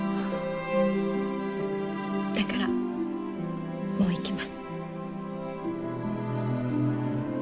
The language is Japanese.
だからもう行きます。